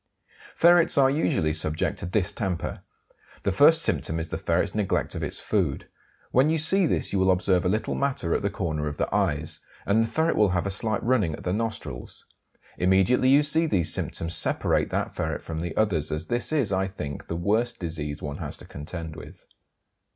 Ferrets are usually subject to distemper. The first symptom is the ferret's neglect of its food. When you see this you will observe a little matter at the corner of the eyes, and the ferret will have a slight running at the nostrils. Immediately you see these symptoms separate that ferret from the others, as this is, I think, the worst disease one has to contend with.